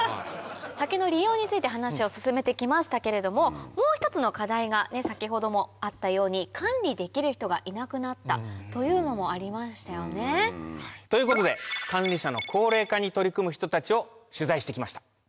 竹の利用について話を進めて来ましたけれどももう一つの課題が先ほどもあったように「管理できる人がいなくなった」というのもありましたよね。ということで管理者の高齢化に取り組む人たちを取材して来ました。